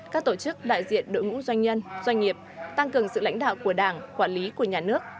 các tổ chức đại diện đội ngũ doanh nhân doanh nghiệp tăng cường sự lãnh đạo của đảng quản lý của nhà nước